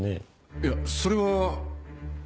いやそれは。